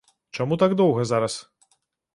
Чаму так доўга зараз?